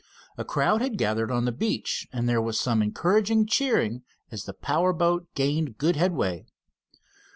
A crowd had gathered on the beach, and there was some encouraging cheering as the power boat gained good headway.